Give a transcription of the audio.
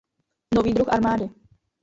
Nový druh armády.